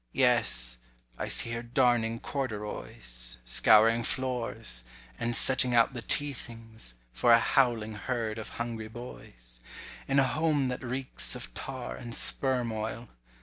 Yes—I see her darning corduroys, Scouring floors, and setting out the tea things, For a howling herd of hungry boys, In a home that reeks of tar and sperm oil!